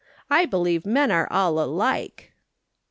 I believe men are all alike.'